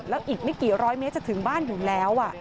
แล้วอีกไม่กี่ร้อยเมตรจะถึงบ้านอยู่แล้ว